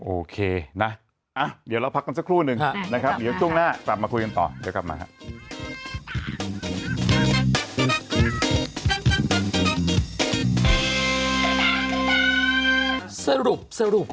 โอเคนะเดี๋ยวเราพักกันสักครู่นึงนะครับเดี๋ยวช่วงหน้ากลับมาคุยกันต่อเดี๋ยวกลับมาครับ